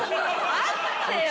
待ってよ！